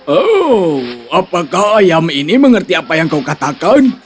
oh apakah ayam ini mengerti apa yang kau katakan